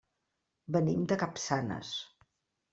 Venim de Capçanes.